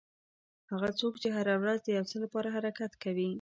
هغه څوک چې هره ورځ د یو څه لپاره حرکت کوي.